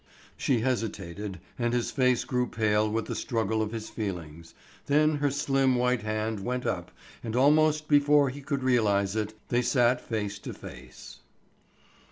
She hesitated, and his face grew pale with the struggle of his feelings, then her slim white hand went up and almost before he could realize it, they sat face to face.